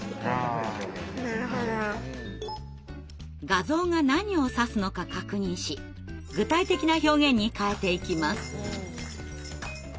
画像が何を指すのか確認し具体的な表現に変えていきます。